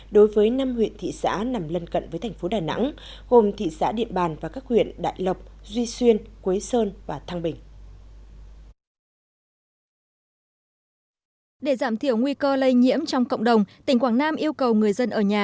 đối với năm huyện thị xã nằm lân cận với thành phố đà nẵng gồm thị xã điện bàn và các huyện đại lộc duy xuyên quế sơn và thăng bình